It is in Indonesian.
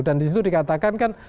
dan disitu dikatakan kan